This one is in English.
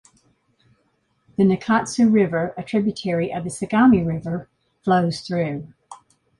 The Nakatsu River, a tributary of the Sagami River, flows through.